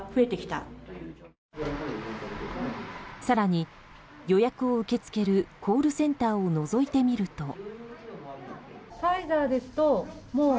更に予約を受け付けるコールセンターをのぞいてみると。